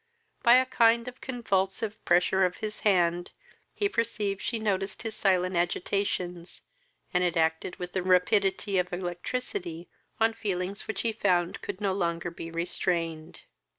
By a kind of convulsive pressure of his hand, he perceived she noticed his silent agitations, and it acted with the rapidity of electricity on feelings which he found could no longer be restrained.